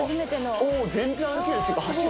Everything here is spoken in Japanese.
おぉ全然歩けるっていうか走る。